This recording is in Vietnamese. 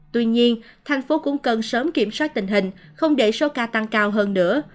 tuy nhiên thành phố cũng cần sớm kiểm soát tình hình không để số ca tăng cao hơn nữa